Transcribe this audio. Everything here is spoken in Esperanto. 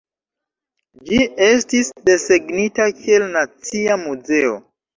Ĝi estis desegnita kiel nacia muzeo.